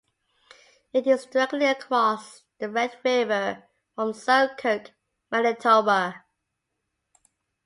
It is directly across the Red River from Selkirk, Manitoba.